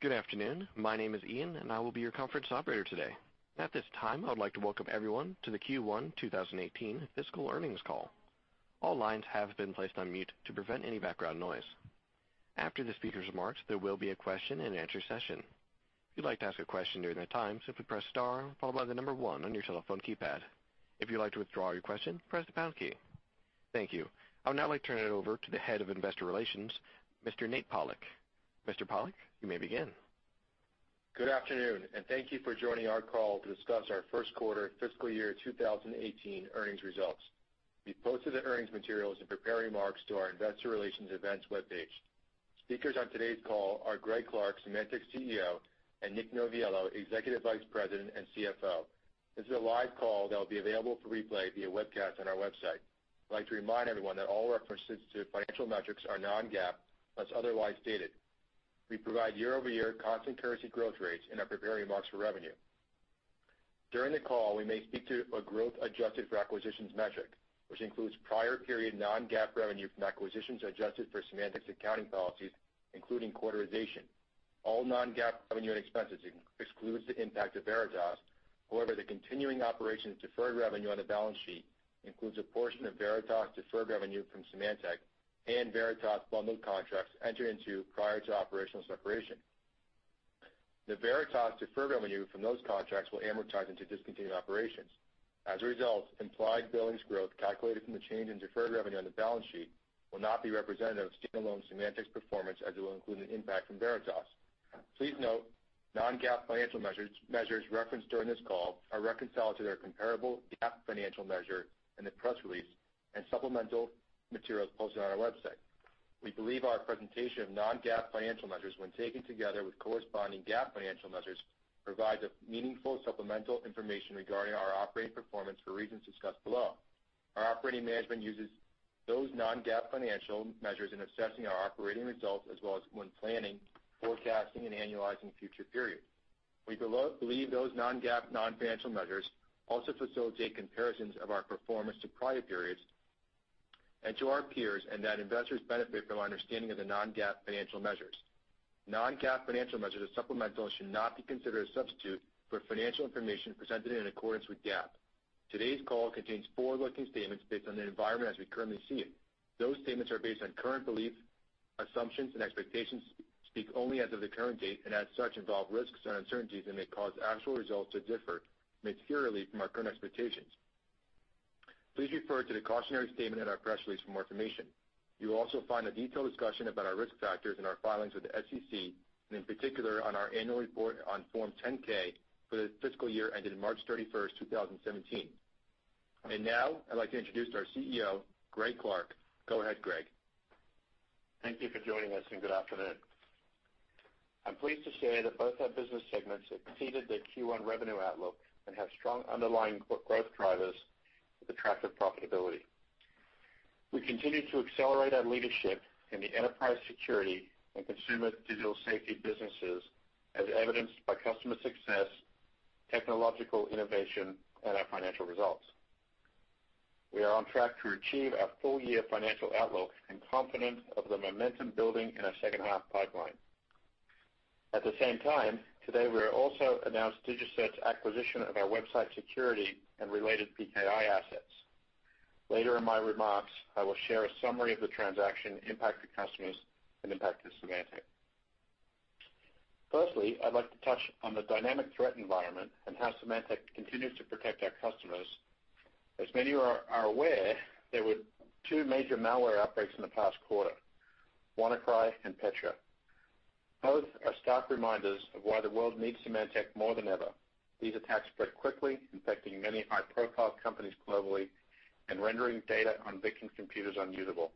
Good afternoon. My name is Ian, and I will be your conference operator today. At this time, I would like to welcome everyone to the Q1 2018 fiscal earnings call. All lines have been placed on mute to prevent any background noise. After the speakers' remarks, there will be a question-and-answer session. If you'd like to ask a question during that time, simply press star followed by the number 1 on your telephone keypad. If you'd like to withdraw your question, press the pound key. Thank you. I would now like to turn it over to the Head of Investor Relations, Mr. Nate Pollack. Mr. Pollack, you may begin. Good afternoon, and thank you for joining our call to discuss our first quarter fiscal year 2018 earnings results. We've posted the earnings materials and prepared remarks to our investor relations events webpage. Speakers on today's call are Greg Clark, Symantec's CEO, and Nick Noviello, Executive Vice President and CFO. This is a live call that will be available for replay via webcast on our website. I'd like to remind everyone that all references to financial metrics are non-GAAP unless otherwise stated. We provide year-over-year constant currency growth rates in our prepared remarks for revenue. During the call, we may speak to a growth adjusted for acquisitions metric, which includes prior period non-GAAP revenue from acquisitions adjusted for Symantec's accounting policies, including quarterization. All non-GAAP revenue and expenses excludes the impact of Veritas. The continuing operations deferred revenue on the balance sheet includes a portion of Veritas deferred revenue from Symantec and Veritas bundled contracts entered into prior to operational separation. The Veritas deferred revenue from those contracts will amortize into discontinued operations. As a result, implied billings growth calculated from the change in deferred revenue on the balance sheet will not be representative of standalone Symantec's performance, as it will include an impact from Veritas. Please note, non-GAAP financial measures referenced during this call are reconciled to their comparable GAAP financial measure in the press release and supplemental materials posted on our website. We believe our presentation of non-GAAP financial measures, when taken together with corresponding GAAP financial measures, provides a meaningful supplemental information regarding our operating performance for reasons discussed below. Our operating management uses those non-GAAP financial measures in assessing our operating results as well as when planning, forecasting, and annualizing future periods. We believe those non-GAAP financial measures also facilitate comparisons of our performance to prior periods and to our peers, and that investors benefit from an understanding of the non-GAAP financial measures. Non-GAAP financial measures are supplemental and should not be considered a substitute for financial information presented in accordance with GAAP. Today's call contains forward-looking statements based on the environment as we currently see it. Those statements are based on current beliefs, assumptions, and expectations, speak only as of the current date, and as such, involve risks and uncertainties that may cause actual results to differ materially from our current expectations. Please refer to the cautionary statement in our press release for more information. You will also find a detailed discussion about our risk factors in our filings with the SEC, in particular, on our annual report on Form 10-K for the fiscal year ended March 31st, 2017. Now, I would like to introduce our CEO, Greg Clark. Go ahead, Greg. Thank you for joining us, and good afternoon. I am pleased to share that both our business segments have exceeded their Q1 revenue outlook and have strong underlying growth drivers with attractive profitability. We continue to accelerate our leadership in the enterprise security and consumer digital safety businesses, as evidenced by customer success, technological innovation, and our financial results. We are on track to achieve our full-year financial outlook and confident of the momentum building in our second-half pipeline. At the same time, today we also announced DigiCert's acquisition of our website security and related PKI assets. Later in my remarks, I will share a summary of the transaction, impact to customers, and impact to Symantec. Firstly, I would like to touch on the dynamic threat environment and how Symantec continues to protect our customers. As many are aware, there were two major malware outbreaks in the past quarter, WannaCry and Petya. Both are stark reminders of why the world needs Symantec more than ever. These attacks spread quickly, infecting many high-profile companies globally and rendering data on victim computers unusable.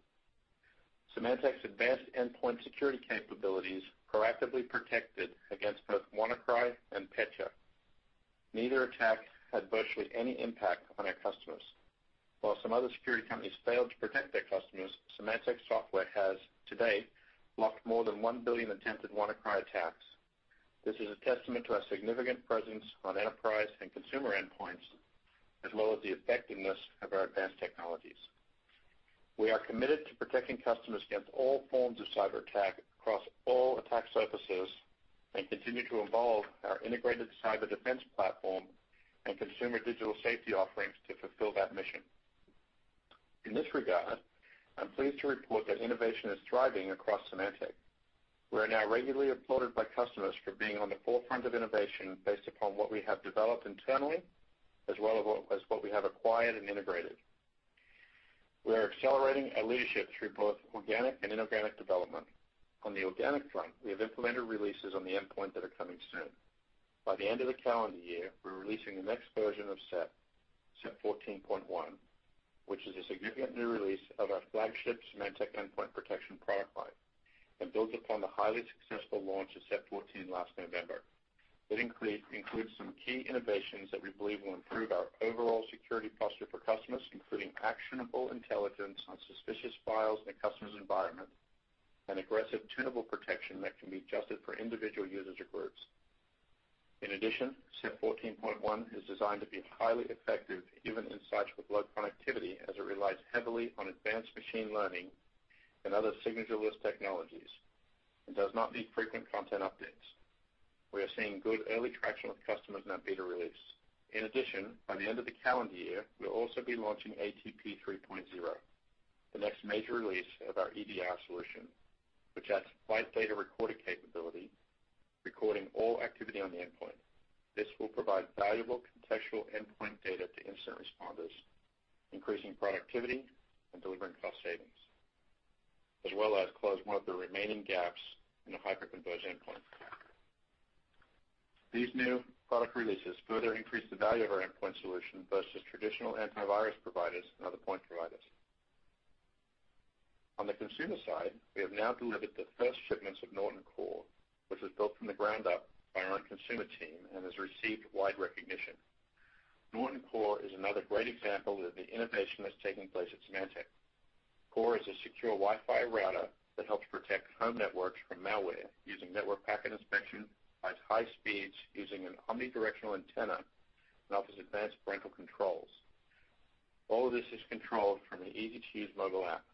Symantec's advanced endpoint security capabilities proactively protected against both WannaCry and Petya. Neither attack had virtually any impact on our customers. While some other security companies failed to protect their customers, Symantec software has to date blocked more than 1 billion attempted WannaCry attacks. This is a testament to our significant presence on enterprise and consumer endpoints, as well as the effectiveness of our advanced technologies. We are committed to protecting customers against all forms of cyberattack across all attack surfaces and continue to evolve our Integrated Cyber Defense Platform and consumer digital safety offerings to fulfill that mission. In this regard, I am pleased to report that innovation is thriving across Symantec. We are now regularly applauded by customers for being on the forefront of innovation based upon what we have developed internally, as well as what we have acquired and integrated. We are accelerating our leadership through both organic and inorganic development. On the organic front, we have implemented releases on the endpoint that are coming soon. By the end of the calendar year, we are releasing the next version of SEP 14.1, which is a significant new release of our flagship Symantec Endpoint Protection product line that builds upon the highly successful launch of SEP 14 last November. It includes some key innovations that we believe will improve our overall security posture for customers, including actionable intelligence on suspicious files in a customer's environment, and aggressive tunable protection that can be adjusted for individual users or groups. In addition, SEP 14.1 is designed to be highly effective even in sites with low connectivity, as it relies heavily on advanced machine learning and other signatureless technologies and does not need frequent content updates. We are seeing good early traction with customers in our beta release. In addition, by the end of the calendar year, we will also be launching ATP 3.0, the next major release of our EDR solution, which adds flight data recorder capability, recording all activity on the endpoint. This will provide valuable contextual endpoint data to incident responders, increasing productivity and delivering cost savings, as well as close one of the remaining gaps in the hyper-converged endpoint. These new product releases further increase the value of our endpoint solution versus traditional antivirus providers and other point providers. On the consumer side, we have now delivered the first shipments of Norton Core, which was built from the ground up by our consumer team and has received wide recognition. Norton Core is another great example of the innovation that is taking place at Symantec. Core is a secure Wi-Fi router that helps protect home networks from malware using network packet inspection, provides high speeds using an omnidirectional antenna, and offers advanced parental controls. All of this is controlled from an easy-to-use mobile app.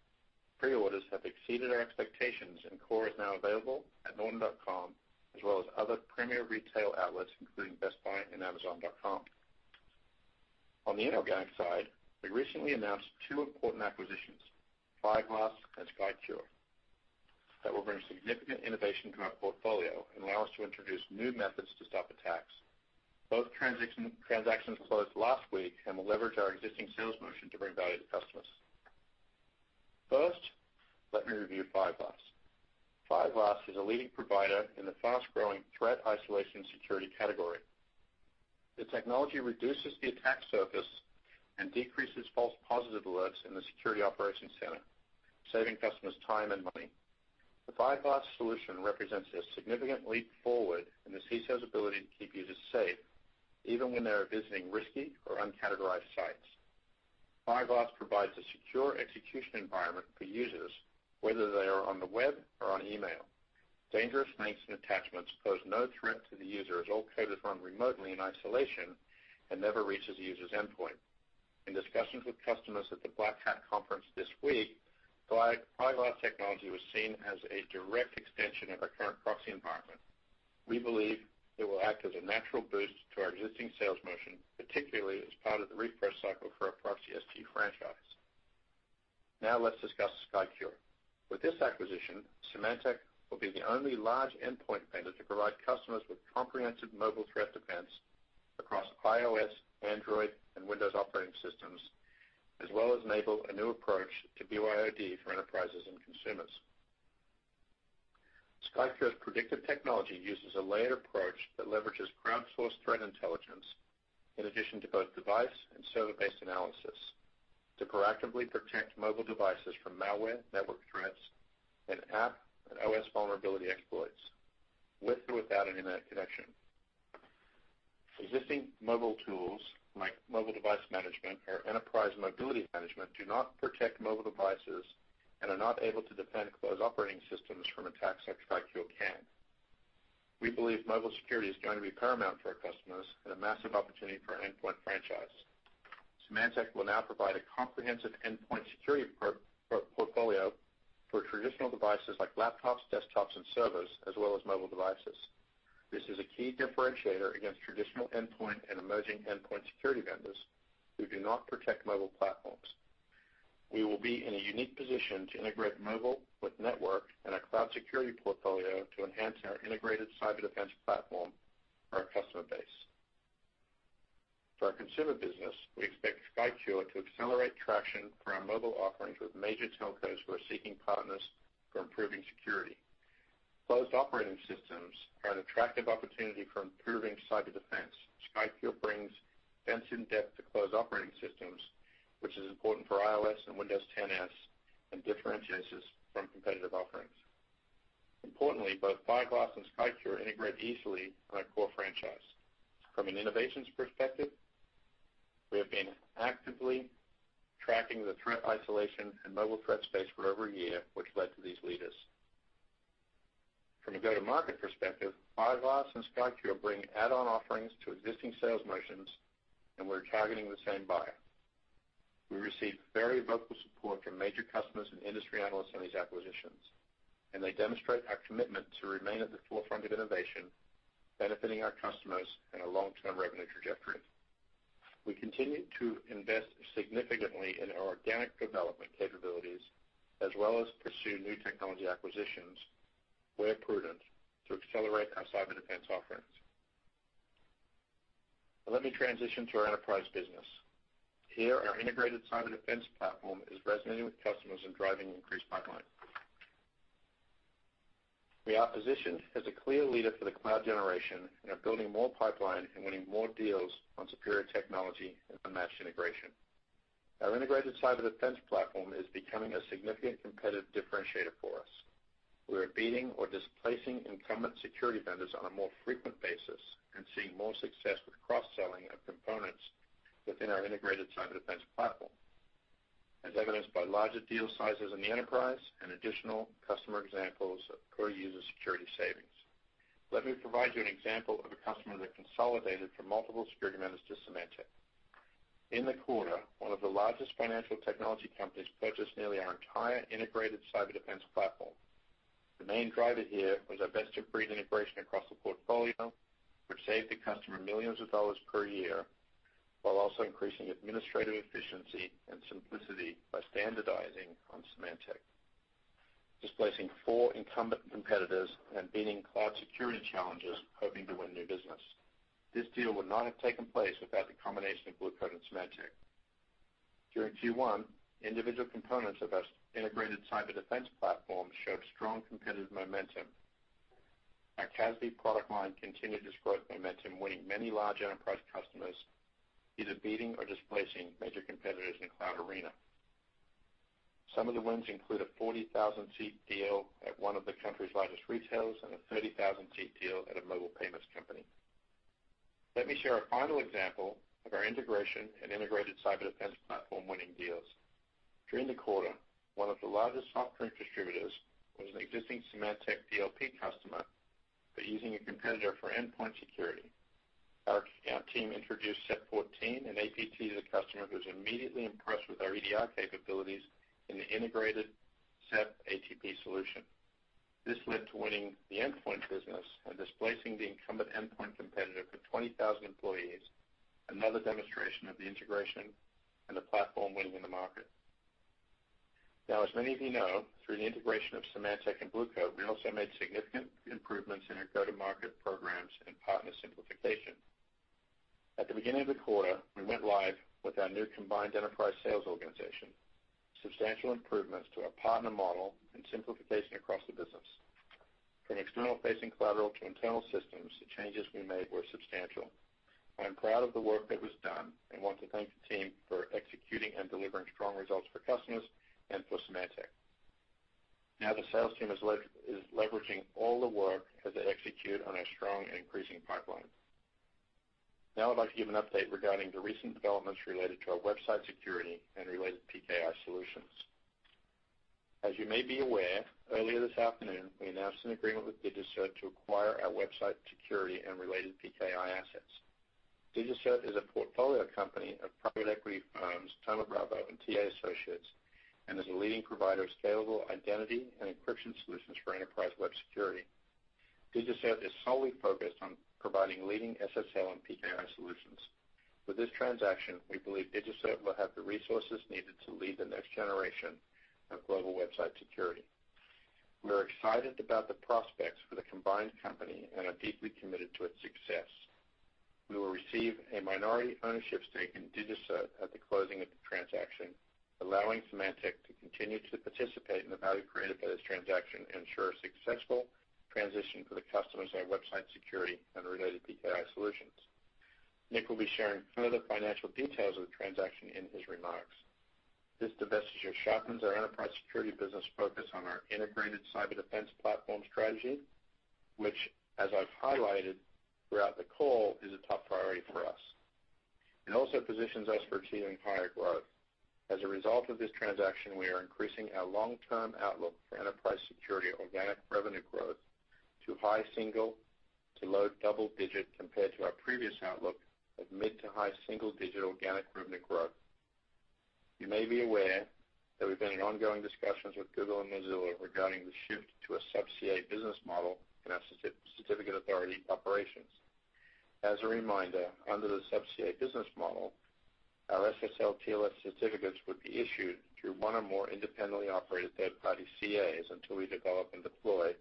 Pre-orders have exceeded our expectations, and Core is now available at norton.com as well as other premier retail outlets, including Best Buy and amazon.com. On the inorganic side, we recently announced two important acquisitions, Fireglass and Skycure, that will bring significant innovation to our portfolio and allow us to introduce new methods to stop attacks. Both transactions closed last week and will leverage our existing sales motion to bring value to customers. First, let me review Fireglass. Fireglass is a leading provider in the fast-growing threat isolation security category. The technology reduces the attack surface and decreases false positive alerts in the security operations center, saving customers time and money. The Fireglass solution represents a significant leap forward in the CISO's ability to keep users safe, even when they are visiting risky or uncategorized sites. Fireglass provides a secure execution environment for users, whether they are on the web or on email. Dangerous links and attachments pose no threat to the user, as all code is run remotely in isolation and never reaches the user's endpoint. In discussions with customers at the Black Hat conference this week, Fireglass technology was seen as a direct extension of our current proxy environment. We believe it will act as a natural boost to our existing sales motion, particularly as part of the refresh cycle for our ProxySG franchise. Now let us discuss Skycure. With this acquisition, Symantec will be the only large endpoint vendor to provide customers with comprehensive mobile threat defense across iOS, Android, and Windows operating systems, as well as enable a new approach to BYOD for enterprises and consumers. Skycure's predictive technology uses a layered approach that leverages crowdsourced threat intelligence in addition to both device and server-based analysis to proactively protect mobile devices from malware, network threats, and app and OS vulnerability exploits with or without an internet connection. Existing mobile tools like mobile device management or enterprise mobility management do not protect mobile devices and are not able to defend closed operating systems from attacks like Skycure can. We believe mobile security is going to be paramount for our customers and a massive opportunity for our endpoint franchise. Symantec will now provide a comprehensive endpoint security portfolio for traditional devices like laptops, desktops, and servers, as well as mobile devices. This is a key differentiator against traditional endpoint and emerging endpoint security vendors who do not protect mobile platforms. We will be in a unique position to integrate mobile with network and our cloud security portfolio to enhance our Integrated Cyber Defense Platform for our customer base. For our consumer business, we expect Skycure to accelerate traction for our mobile offerings with major telcos who are seeking partners for improving security. Closed operating systems are an attractive opportunity for improving cyber defense. Skycure brings defense in depth to closed operating systems, which is important for iOS and Windows 10 S and differentiates us from competitive offerings. Importantly, both Fireglass and Skycure integrate easily in our Core franchise. From an innovations perspective, we have been actively tracking the threat isolation and mobile threat space for over a year, which led to these leaders. From a go-to-market perspective, Fireglass and Skycure bring add-on offerings to existing sales motions. We're targeting the same buyer. We received very vocal support from major customers and industry analysts on these acquisitions. They demonstrate our commitment to remain at the forefront of innovation, benefiting our customers and our long-term revenue trajectory. We continue to invest significantly in our organic development capabilities as well as pursue new technology acquisitions where prudent to accelerate our cyber defense offerings. Let me transition to our enterprise business. Here, our Integrated Cyber Defense Platform is resonating with customers and driving increased pipeline. We are positioned as a clear leader for the cloud generation and are building more pipeline and winning more deals on superior technology and unmatched integration. Our Integrated Cyber Defense Platform is becoming a significant competitive differentiator for us. We are beating or displacing incumbent security vendors on a more frequent basis and seeing more success with cross-selling of components within our Integrated Cyber Defense Platform. Evidenced by larger deal sizes in the enterprise and additional customer examples of per-user security savings. Let me provide you an example of a customer that consolidated from multiple security vendors to Symantec. In the quarter, one of the largest financial technology companies purchased nearly our entire Integrated Cyber Defense Platform. The main driver here was our best-of-breed integration across the portfolio, which saved the customer millions of dollars per year while also increasing administrative efficiency and simplicity by standardizing on Symantec, displacing four incumbent competitors and beating cloud security challengers hoping to win new business. This deal would not have taken place without the combination of Blue Coat and Symantec. During Q1, individual components of our Integrated Cyber Defense Platform showed strong competitive momentum. Our CASB product line continued to display momentum, winning many large enterprise customers, either beating or displacing major competitors in the cloud arena. Some of the wins include a 40,000-seat deal at one of the country's largest retailers and a 30,000-seat deal at a mobile payments company. Let me share a final example of our integration and Integrated Cyber Defense Platform winning deals. During the quarter, one of the largest software distributors was an existing Symantec DLP customer, but using a competitor for endpoint security. Our account team introduced SEP 14 and APT to the customer, who was immediately impressed with our EDR capabilities in the integrated SEP ATP solution. This led to winning the endpoint business and displacing the incumbent endpoint competitor for 20,000 employees, another demonstration of the integration and the platform winning in the market. As many of you know, through the integration of Symantec and Blue Coat, we also made significant improvements in our go-to-market programs and partner simplification. At the beginning of the quarter, we went live with our new combined enterprise sales organization, substantial improvements to our partner model, and simplification across the business. From external-facing collateral to internal systems, the changes we made were substantial. I am proud of the work that was done and want to thank the team for executing and delivering strong results for customers and for Symantec. The sales team is leveraging all the work as they execute on our strong increasing pipeline. I'd like to give an update regarding the recent developments related to our website security and related PKI solutions. As you may be aware, earlier this afternoon, we announced an agreement with DigiCert to acquire our website security and related PKI assets. DigiCert is a portfolio company of private equity firms Thoma Bravo and TA Associates and is a leading provider of scalable identity and encryption solutions for enterprise web security. DigiCert is solely focused on providing leading SSL and PKI solutions. With this transaction, we believe DigiCert will have the resources needed to lead the next generation of global website security. We are excited about the prospects for the combined company and are deeply committed to its success. We will receive a minority ownership stake in DigiCert at the closing of the transaction, allowing Symantec to continue to participate in the value created by this transaction and ensure a successful transition for the customers of our website security and related PKI solutions. Nick will be sharing further financial details of the transaction in his remarks. This divestiture sharpens our enterprise security business focus on our Integrated Cyber Defense Platform strategy, which, as I've highlighted throughout the call, is a top priority for us, and also positions us for achieving higher growth. As a result of this transaction, we are increasing our long-term outlook for enterprise security organic revenue growth to high single to low double digits compared to our previous outlook of mid to high single-digit organic revenue growth. You may be aware that we've been in ongoing discussions with Google and Mozilla regarding the shift to a Sub CA business model in our certificate authority operations. As a reminder, under the Sub CA business model, our SSL TLS certificates would be issued through one or more independently operated third-party CAs until we develop and deploy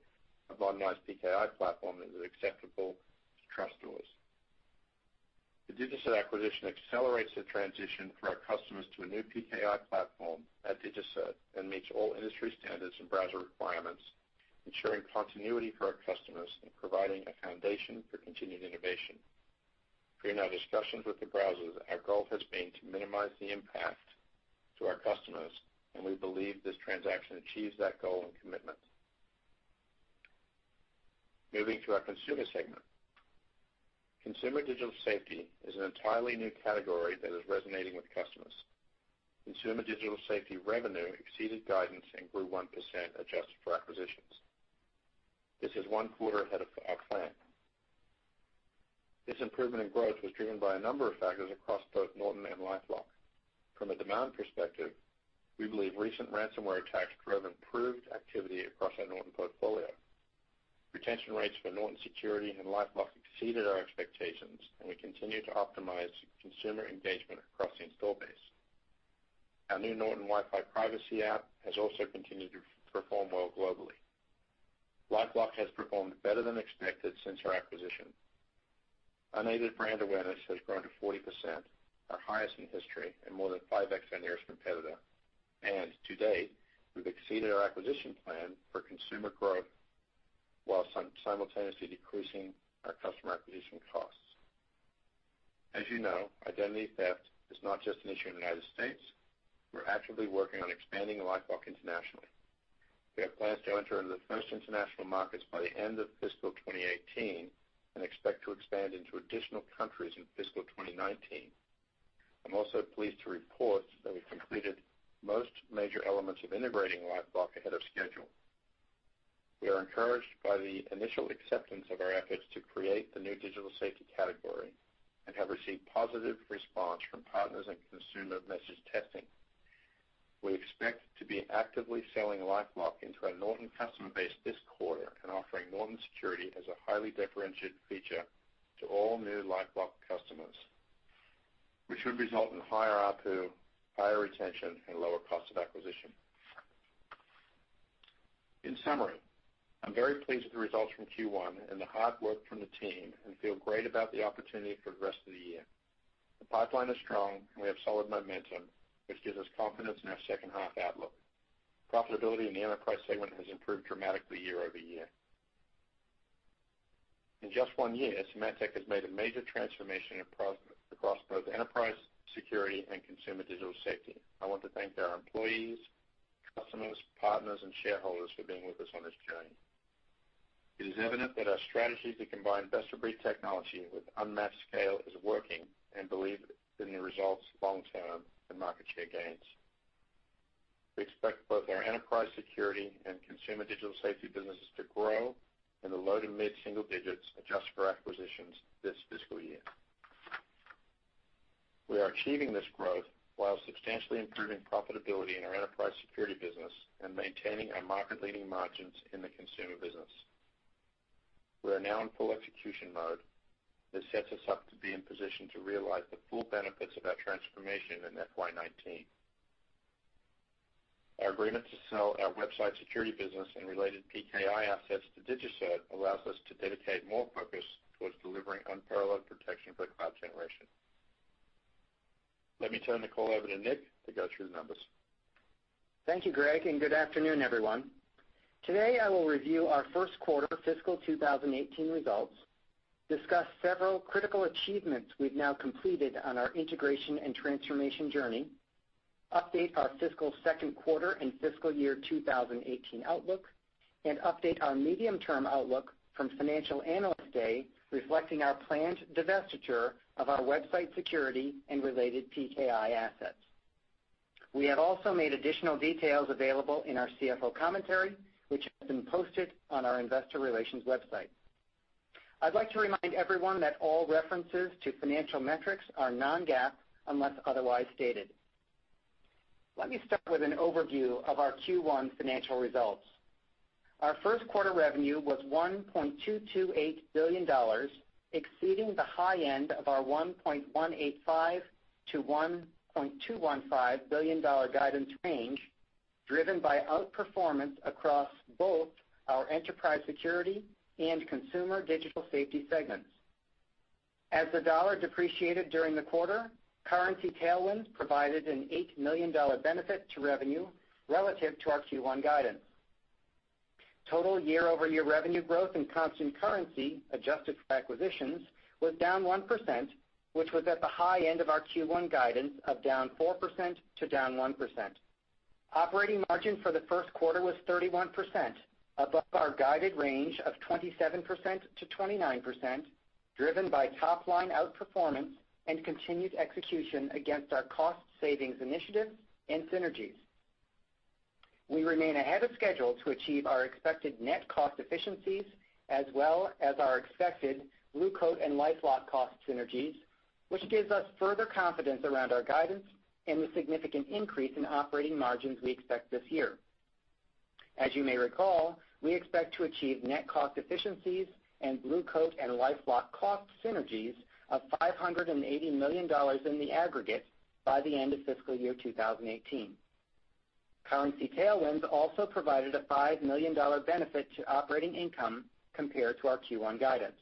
a modernized PKI platform that is acceptable to trustors. The DigiCert acquisition accelerates the transition for our customers to a new PKI platform at DigiCert and meets all industry standards and browser requirements, ensuring continuity for our customers and providing a foundation for continued innovation. During our discussions with the browsers, our goal has been to minimize the impact to our customers, and we believe this transaction achieves that goal and commitment. Moving to our consumer segment. Consumer digital safety is an entirely new category that is resonating with customers. Consumer digital safety revenue exceeded guidance and grew 1% adjusted for acquisitions. This is one quarter ahead of our plan. This improvement in growth was driven by a number of factors across both Norton and LifeLock. From a demand perspective, we believe recent ransomware attacks drove improved activity across our Norton portfolio. Retention rates for Norton Security and LifeLock exceeded our expectations, and we continue to optimize consumer engagement across the install base. Our new Norton Wi-Fi Privacy app has also continued to perform well globally. LifeLock has performed better than expected since our acquisition. Unaided brand awareness has grown to 40%, our highest in history, and more than 5x the nearest competitor. To date, we've exceeded our acquisition plan for consumer growth while simultaneously decreasing our customer acquisition costs. As you know, identity theft is not just an issue in the U.S. We're actively working on expanding LifeLock internationally. We have plans to enter into the first international markets by the end of fiscal 2018 and expect to expand into additional countries in fiscal 2019. I'm also pleased to report that we've completed most major elements of integrating LifeLock ahead of schedule. We are encouraged by the initial acceptance of our efforts to create the new digital safety category and have received positive response from partners and consumer message testing. We expect to be actively selling LifeLock into our Norton customer base this quarter and offering Norton security as a highly differentiated feature to all new LifeLock customers, which would result in higher ARPU, higher retention, and lower cost of acquisition. In summary, I'm very pleased with the results from Q1 and the hard work from the team and feel great about the opportunity for the rest of the year. The pipeline is strong, and we have solid momentum, which gives us confidence in our second half outlook. Profitability in the enterprise segment has improved dramatically year-over-year. In just one year, Symantec has made a major transformation across both enterprise security and consumer digital safety. I want to thank our employees, customers, partners, and shareholders for being with us on this journey. It is evident that our strategy to combine best-of-breed technology with unmatched scale is working and believe in the results long-term in market share gains. We expect both our enterprise security and consumer digital safety businesses to grow in the low to mid-single digits, adjusted for acquisitions this fiscal year. We are achieving this growth while substantially improving profitability in our enterprise security business and maintaining our market-leading margins in the consumer business. We are now in full execution mode. This sets us up to be in position to realize the full benefits of our transformation in FY 2019. Our agreement to sell our website security business and related PKI assets to DigiCert allows us to dedicate more focus towards delivering unparalleled protection for the cloud generation. Let me turn the call over to Nick to go through the numbers. Thank you, Greg, and good afternoon, everyone. Today, I will review our first quarter fiscal 2018 results, discuss several critical achievements we've now completed on our integration and transformation journey, update our fiscal second quarter and fiscal year 2018 outlook, and update our medium-term outlook from Financial Analyst Day, reflecting our planned divestiture of our website security and related PKI assets. We have also made additional details available in our CFO commentary, which has been posted on our investor relations website. I'd like to remind everyone that all references to financial metrics are non-GAAP, unless otherwise stated. Let me start with an overview of our Q1 financial results. Our first quarter revenue was $1.228 billion, exceeding the high end of our $1.185 billion-$1.215 billion guidance range, driven by outperformance across both our Enterprise Security and Consumer Digital Safety segments. As the dollar depreciated during the quarter, currency tailwind provided an $8 million benefit to revenue relative to our Q1 guidance. Total year-over-year revenue growth and constant currency adjusted for acquisitions was down 1%, which was at the high end of our Q1 guidance of down 4%-down 1%. Operating margin for the first quarter was 31%, above our guided range of 27%-29%, driven by top-line outperformance and continued execution against our cost savings initiatives and synergies. We remain ahead of schedule to achieve our expected net cost efficiencies as well as our expected Blue Coat and LifeLock cost synergies, which gives us further confidence around our guidance and the significant increase in operating margins we expect this year. As you may recall, we expect to achieve net cost efficiencies and Blue Coat and LifeLock cost synergies of $580 million in the aggregate by the end of fiscal year 2018. Currency tailwinds also provided a $5 million benefit to operating income compared to our Q1 guidance.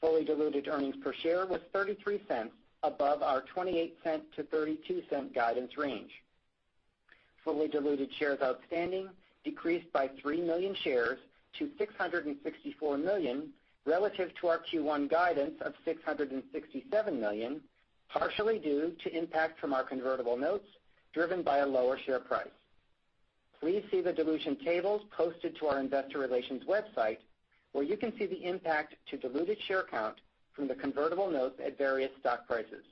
Fully diluted earnings per share was $0.33 above our $0.28-$0.32 guidance range. Fully diluted shares outstanding decreased by 3 million shares to 664 million relative to our Q1 guidance of 667 million, partially due to impact from our convertible notes driven by a lower share price. Please see the dilution tables posted to our investor relations website where you can see the impact to diluted share count from the convertible notes at various stock prices.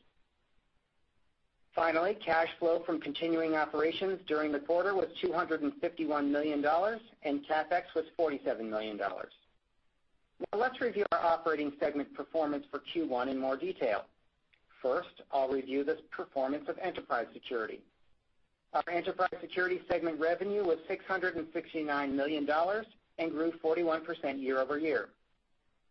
Finally, cash flow from continuing operations during the quarter was $251 million, and CapEx was $47 million. Now let's review our operating segment performance for Q1 in more detail. First, I'll review the performance of Enterprise Security. Our Enterprise Security segment revenue was $669 million and grew 41% year-over-year.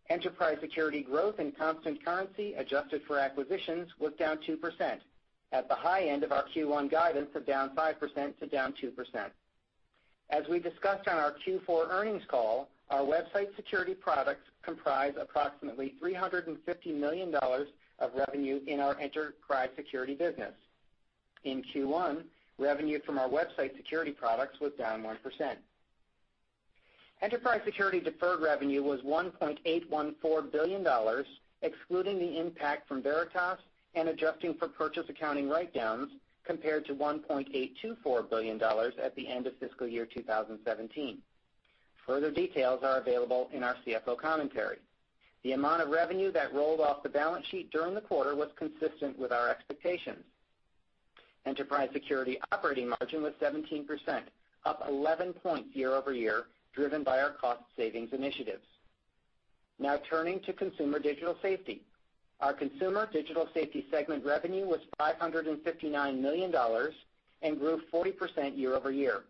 Enterprise Security growth and constant currency adjusted for acquisitions was down 2% at the high end of our Q1 guidance of down 5%-down 2%. As we discussed on our Q4 earnings call, our website security products comprise approximately $350 million of revenue in our Enterprise Security business. In Q1, revenue from our website security products was down 1%. Enterprise Security deferred revenue was $1.814 billion, excluding the impact from Veritas and adjusting for purchase accounting write-downs, compared to $1.824 billion at the end of fiscal year 2017. Further details are available in our CFO commentary. The amount of revenue that rolled off the balance sheet during the quarter was consistent with our expectations. Enterprise security operating margin was 17%, up 11 points year-over-year, driven by our cost savings initiatives. Turning to Consumer Digital Safety. Our Consumer Digital Safety segment revenue was $559 million and grew 40% year-over-year.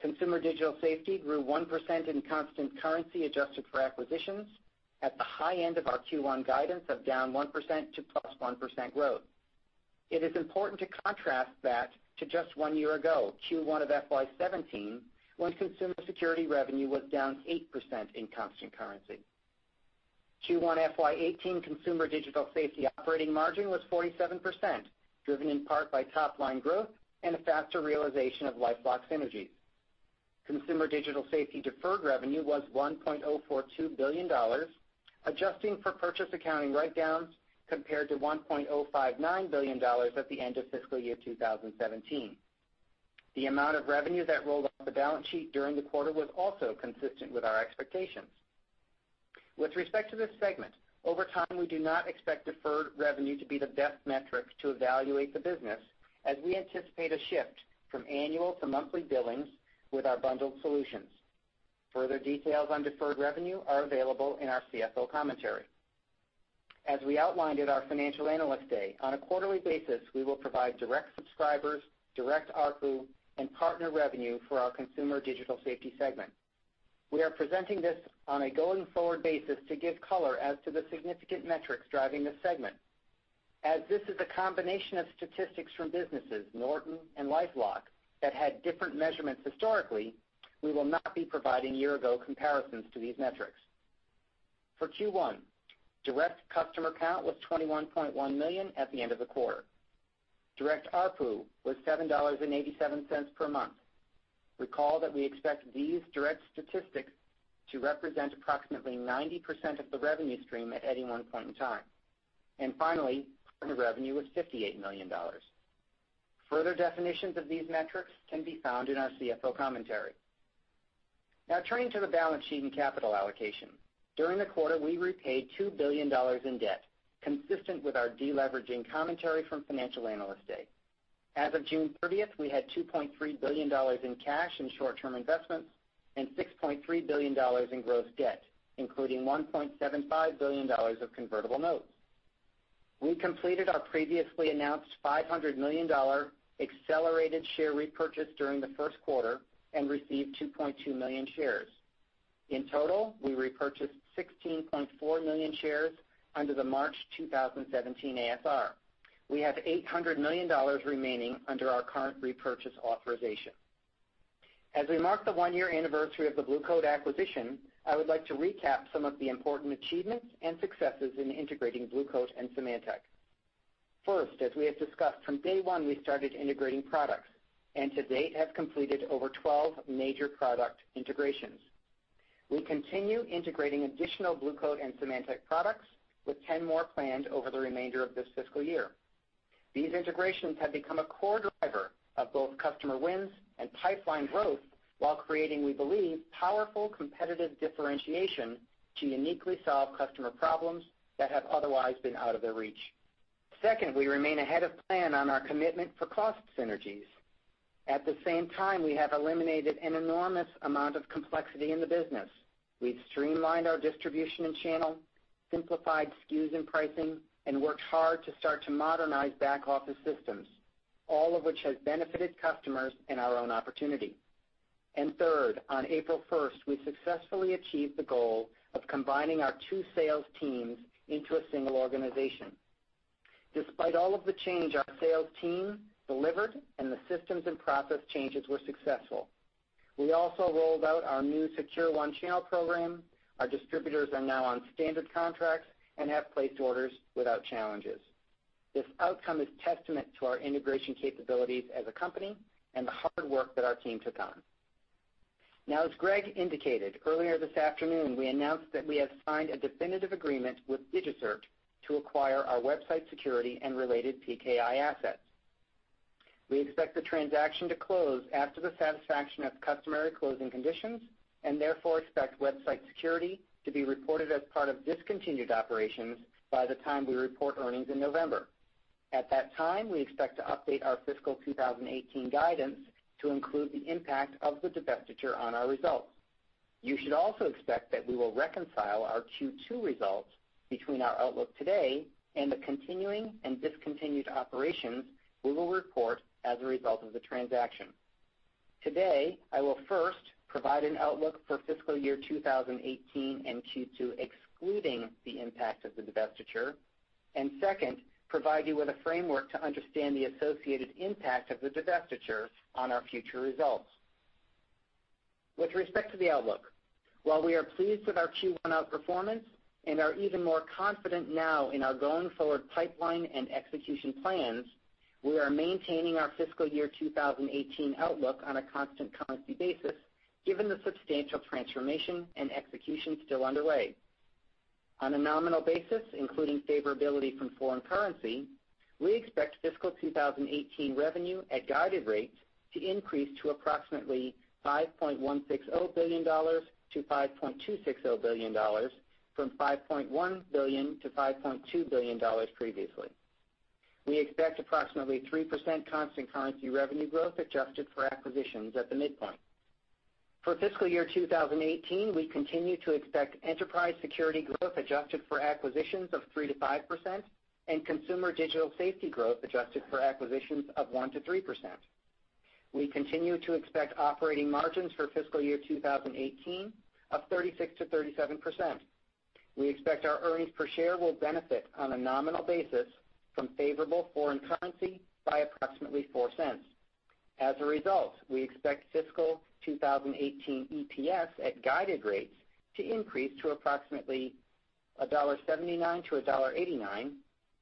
Consumer Digital Safety grew 1% in constant currency adjusted for acquisitions at the high end of our Q1 guidance of down 1% to plus 1% growth. It is important to contrast that to just one year ago, Q1 of FY 2017, when consumer security revenue was down 8% in constant currency. Q1 FY 2018 Consumer Digital Safety operating margin was 47%, driven in part by top-line growth and a faster realization of LifeLock synergies. Consumer Digital Safety deferred revenue was $1.042 billion, adjusting for purchase accounting write-downs compared to $1.059 billion at the end of fiscal year 2017. The amount of revenue that rolled off the balance sheet during the quarter was also consistent with our expectations. With respect to this segment, over time, we do not expect deferred revenue to be the best metric to evaluate the business, as we anticipate a shift from annual to monthly billings with our bundled solutions. Further details on deferred revenue are available in our CFO commentary. As we outlined at our Financial Analyst Day, on a quarterly basis, we will provide direct subscribers, direct ARPU, and partner revenue for our Consumer Digital Safety segment. We are presenting this on a going-forward basis to give color as to the significant metrics driving this segment. As this is a combination of statistics from businesses, Norton and LifeLock, that had different measurements historically, we will not be providing year-ago comparisons to these metrics. For Q1, direct customer count was 21.1 million at the end of the quarter. Direct ARPU was $7.87 per month. Recall that we expect these direct statistics to represent approximately 90% of the revenue stream at any one point in time. Finally, partner revenue was $58 million. Further definitions of these metrics can be found in our CFO commentary. Turning to the balance sheet and capital allocation. During the quarter, we repaid $2 billion in debt, consistent with our de-leveraging commentary from Financial Analyst Day. As of June 30th, we had $2.3 billion in cash and short-term investments and $6.3 billion in gross debt, including $1.75 billion of convertible notes. We completed our previously announced $500 million accelerated share repurchase during the first quarter and received 2.2 million shares. In total, we repurchased 16.4 million shares under the March 2017 ASR. We have $800 million remaining under our current repurchase authorization. As we mark the one-year anniversary of the Blue Coat acquisition, I would like to recap some of the important achievements and successes in integrating Blue Coat and Symantec. First, as we have discussed, from day one, we started integrating products, and to date have completed over 12 major product integrations. We continue integrating additional Blue Coat and Symantec products with 10 more planned over the remainder of this fiscal year. These integrations have become a core driver of both customer wins and pipeline growth while creating, we believe, powerful competitive differentiation to uniquely solve customer problems that have otherwise been out of their reach. Second, we remain ahead of plan on our commitment for cost synergies. At the same time, we have eliminated an enormous amount of complexity in the business. We've streamlined our distribution and channel, simplified SKUs and pricing, and worked hard to start to modernize back-office systems, all of which has benefited customers and our own opportunity. Third, on April 1st, we successfully achieved the goal of combining our 2 sales teams into a single organization. Despite all of the change, our sales team delivered, and the systems and process changes were successful. We also rolled out our new Secure One Channel program. Our distributors are now on standard contracts and have placed orders without challenges. This outcome is testament to our integration capabilities as a company and the hard work that our team took on. As Greg indicated, earlier this afternoon, we announced that we have signed a definitive agreement with DigiCert to acquire our website security and related PKI assets. We expect the transaction to close after the satisfaction of customary closing conditions. Therefore, expect website security to be reported as part of discontinued operations by the time we report earnings in November. At that time, we expect to update our fiscal 2018 guidance to include the impact of the divestiture on our results. You should also expect that we will reconcile our Q2 results between our outlook today and the continuing and discontinued operations we will report as a result of the transaction. Today, I will first provide an outlook for fiscal year 2018 and Q2 excluding the impact of the divestiture. Second, provide you with a framework to understand the associated impact of the divestiture on our future results. With respect to the outlook, while we are pleased with our Q1 outperformance and are even more confident now in our going-forward pipeline and execution plans, we are maintaining our fiscal year 2018 outlook on a constant currency basis, given the substantial transformation and execution still underway. On a nominal basis, including favorability from foreign currency, we expect fiscal 2018 revenue at guided rates to increase to approximately $5.160 billion-$5.260 billion from $5.1 billion-$5.2 billion previously. We expect approximately 3% constant currency revenue growth adjusted for acquisitions at the midpoint. For fiscal year 2018, we continue to expect enterprise security growth adjusted for acquisitions of 3%-5% and consumer digital safety growth adjusted for acquisitions of 1%-3%. We continue to expect operating margins for fiscal year 2018 of 36%-37%. We expect our earnings per share will benefit on a nominal basis from favorable foreign currency by approximately $0.04. We expect fiscal 2018 EPS at guided rates to increase to approximately $1.79-$1.89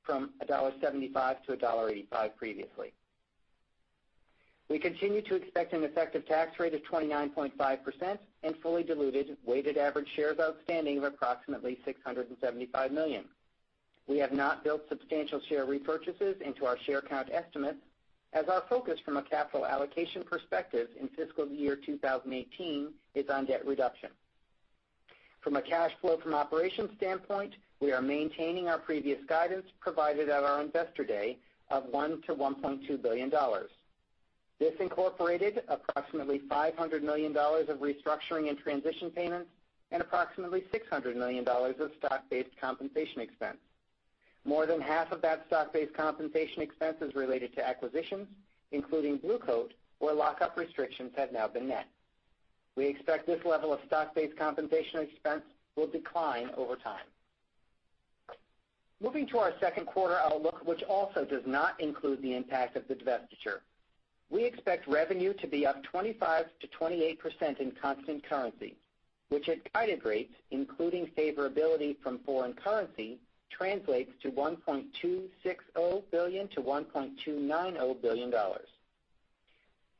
from $1.75-$1.85 previously. We continue to expect an effective tax rate of 29.5% and fully diluted weighted average shares outstanding of approximately 675 million. We have not built substantial share repurchases into our share count estimates as our focus from a capital allocation perspective in fiscal year 2018 is on debt reduction. From a cash flow from operations standpoint, we are maintaining our previous guidance provided at our Investor Day of $1 billion-$1.2 billion. This incorporated approximately $500 million of restructuring and transition payments and approximately $600 million of stock-based compensation expense. More than half of that stock-based compensation expense is related to acquisitions, including Blue Coat, where lock-up restrictions have now been met. We expect this level of stock-based compensation expense will decline over time. Moving to our second quarter outlook, which also does not include the impact of the divestiture, we expect revenue to be up 25%-28% in constant currency, which at guided rates, including favorability from foreign currency, translates to $1.260 billion-$1.290 billion.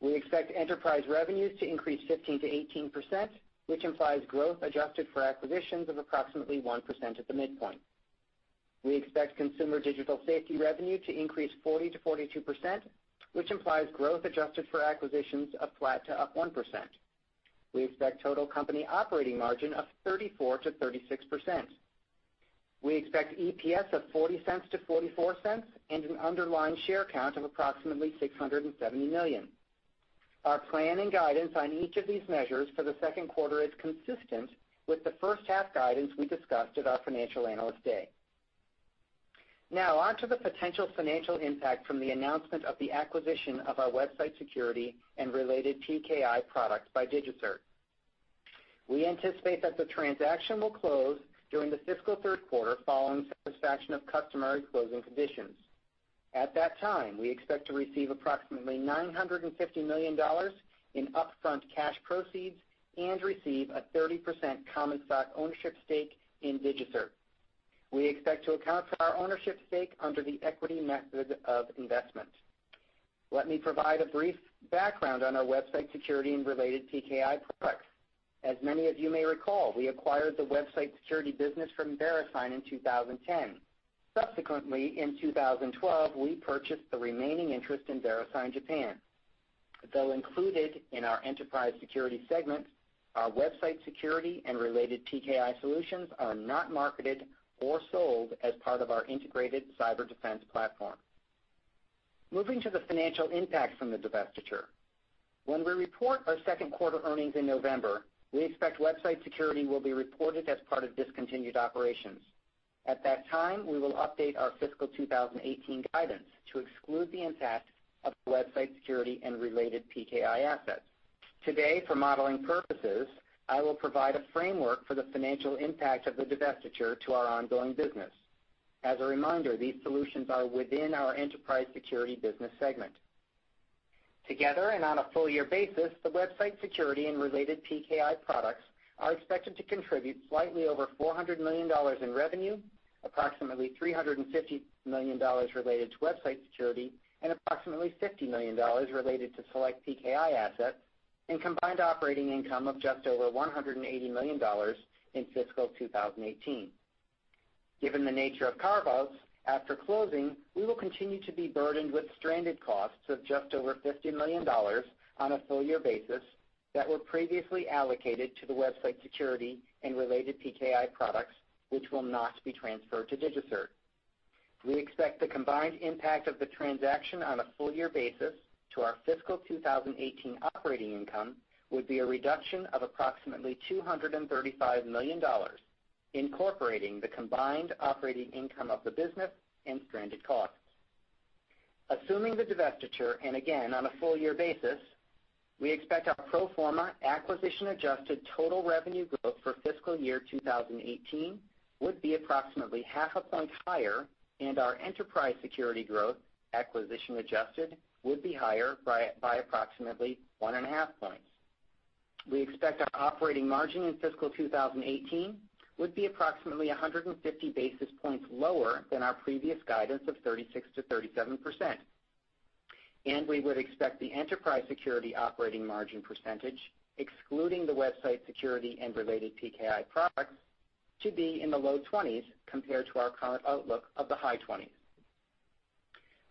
We expect enterprise revenues to increase 15%-18%, which implies growth adjusted for acquisitions of approximately 1% at the midpoint. We expect consumer digital safety revenue to increase 40%-42%, which implies growth adjusted for acquisitions of flat to up 1%. We expect total company operating margin of 34%-36%. We expect EPS of $0.40-$0.44 and an underlying share count of approximately 670 million. Our plan and guidance on each of these measures for the second quarter is consistent with the first half guidance we discussed at our Financial Analyst Day. Onto the potential financial impact from the announcement of the acquisition of our website security and related PKI products by DigiCert. We anticipate that the transaction will close during the fiscal third quarter following satisfaction of customary closing conditions. At that time, we expect to receive approximately $950 million in upfront cash proceeds and receive a 30% common stock ownership stake in DigiCert. We expect to account for our ownership stake under the equity method of investment. Let me provide a brief background on our website security and related PKI products. As many of you may recall, we acquired the website security business from VeriSign in 2010. Subsequently, in 2012, we purchased the remaining interest in VeriSign Japan. Though included in our enterprise security segment, our website security and related PKI solutions are not marketed or sold as part of our Integrated Cyber Defense Platform. Moving to the financial impact from the divestiture. When we report our second quarter earnings in November, we expect website security will be reported as part of discontinued operations. At that time, we will update our fiscal 2018 guidance to exclude the impact of the website security and related PKI assets. Today, for modeling purposes, I will provide a framework for the financial impact of the divestiture to our ongoing business. As a reminder, these solutions are within our enterprise security business segment. Together, on a full year basis, the website security and related PKI products are expected to contribute slightly over $400 million in revenue, approximately $350 million related to website security, and approximately $50 million related to select PKI assets and combined operating income of just over $180 million in fiscal 2018. Given the nature of carve-outs, after closing, we will continue to be burdened with stranded costs of just over $50 million on a full year basis that were previously allocated to the website security and related PKI products, which will not be transferred to DigiCert. We expect the combined impact of the transaction on a full year basis to our fiscal 2018 operating income would be a reduction of approximately $235 million, incorporating the combined operating income of the business and stranded costs. Assuming the divestiture, again, on a full year basis, we expect our pro forma acquisition-adjusted total revenue growth for fiscal year 2018 would be approximately half a point higher, and our enterprise security growth, acquisition adjusted, would be higher by approximately one and a half points. We expect our operating margin in fiscal 2018 would be approximately 150 basis points lower than our previous guidance of 36%-37%. We would expect the enterprise security operating margin percentage, excluding the website security and related PKI products, to be in the low 20s compared to our current outlook of the high 20s.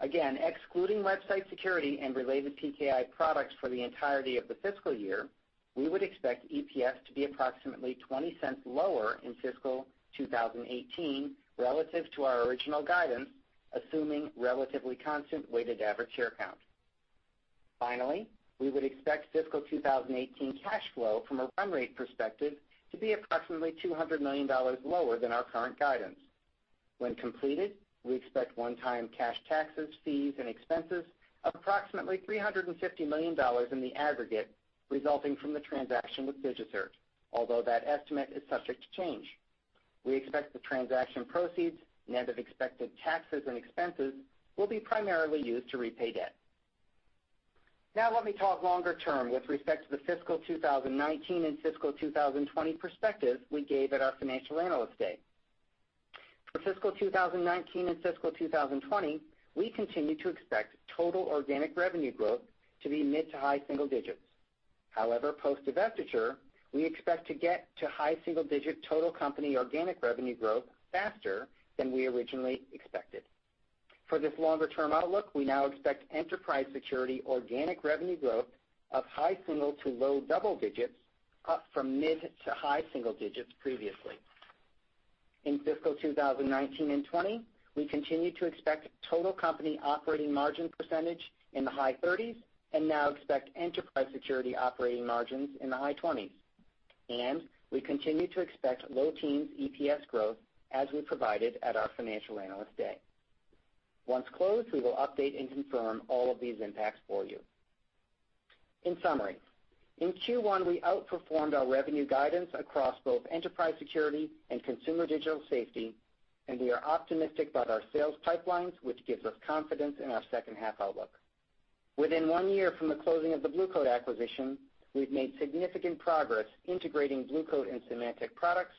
Again, excluding website security and related PKI products for the entirety of the fiscal year, we would expect EPS to be approximately $0.20 lower in fiscal 2018 relative to our original guidance, assuming relatively constant weighted average share count. Finally, we would expect fiscal 2018 cash flow from a run rate perspective to be approximately $200 million lower than our current guidance. When completed, we expect one-time cash taxes, fees, and expenses of approximately $350 million in the aggregate, resulting from the transaction with DigiCert, although that estimate is subject to change. We expect the transaction proceeds, net of expected taxes and expenses, will be primarily used to repay debt. Let me talk longer term with respect to the fiscal 2019 and fiscal 2020 perspective we gave at our Financial Analyst Day. For fiscal 2019 and fiscal 2020, we continue to expect total organic revenue growth to be mid to high single digits. However, post-divestiture, we expect to get to high single-digit total company organic revenue growth faster than we originally expected. For this longer-term outlook, we now expect enterprise security organic revenue growth of high single to low double digits, up from mid to high single digits previously. In fiscal 2019 and 2020, we continue to expect total company operating margin percentage in the high 30s, and now expect enterprise security operating margins in the high 20s. We continue to expect low teens EPS growth as we provided at our Financial Analyst Day. Once closed, we will update and confirm all of these impacts for you. In summary, in Q1, we outperformed our revenue guidance across both enterprise security and Consumer Digital Safety, and we are optimistic about our sales pipelines, which gives us confidence in our second half outlook. Within one year from the closing of the Blue Coat acquisition, we've made significant progress integrating Blue Coat and Symantec products,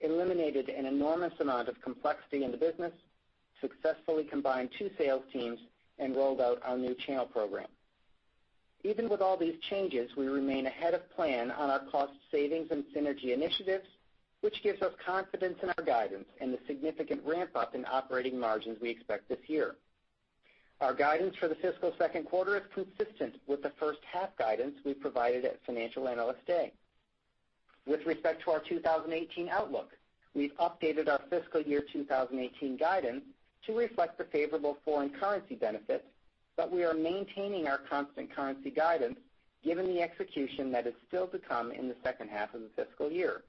eliminated an enormous amount of complexity in the business, successfully combined two sales teams, and rolled out our new channel program. Even with all these changes, we remain ahead of plan on our cost savings and synergy initiatives, which gives us confidence in our guidance and the significant ramp-up in operating margins we expect this year. Our guidance for the fiscal second quarter is consistent with the first half guidance we provided at Financial Analyst Day. With respect to our 2018 outlook, we've updated our fiscal year 2018 guidance to reflect the favorable foreign currency benefits, we are maintaining our constant currency guidance given the execution that is still to come in the second half of the fiscal year.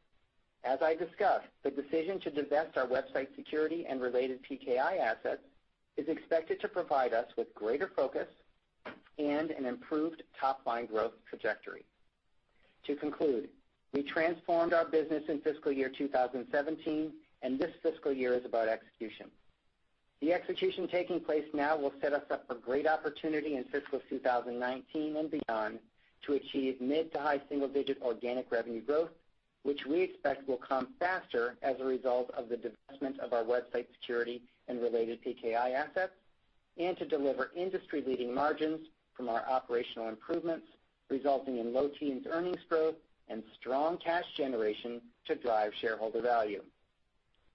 As I discussed, the decision to divest our website security and related PKI assets is expected to provide us with greater focus and an improved top-line growth trajectory. To conclude, we transformed our business in fiscal year 2017, and this fiscal year is about execution. The execution taking place now will set us up for great opportunity in fiscal 2019 and beyond to achieve mid to high single-digit organic revenue growth, which we expect will come faster as a result of the divestment of our website security and related PKI assets, and to deliver industry-leading margins from our operational improvements, resulting in low teens earnings growth and strong cash generation to drive shareholder value.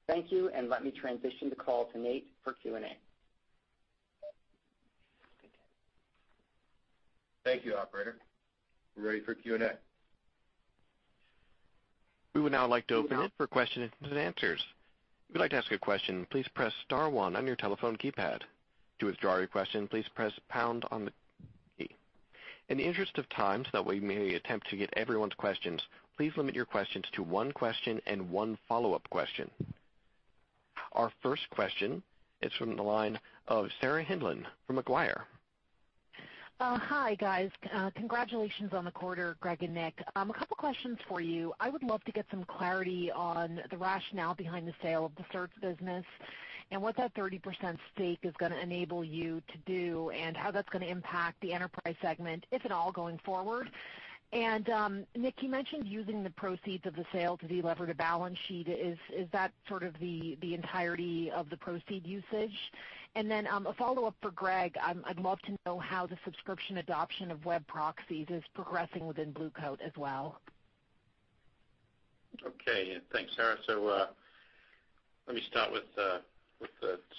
Thank you, and let me transition the call to Nate for Q&A. Thank you, operator. We're ready for Q&A. We would now like to open it for questions and answers. If you'd like to ask a question, please press *1 on your telephone keypad. To withdraw your question, please press # on the key. In the interest of time, so that we may attempt to get everyone's questions, please limit your questions to one question and one follow-up question. Our first question is from the line of Sarah Hindlian from Macquarie. Hi, guys. Congratulations on the quarter, Greg and Nick. A couple questions for you. I would love to get some clarity on the rationale behind the sale of the cert business and what that 30% stake is going to enable you to do and how that's going to impact the enterprise segment, if at all, going forward. Nick, you mentioned using the proceeds of the sale to delever the balance sheet. Is that sort of the entirety of the proceed usage? Then, a follow-up for Greg, I'd love to know how the subscription adoption of web proxies is progressing within Blue Coat as well. Thanks, Sarah. Let me start with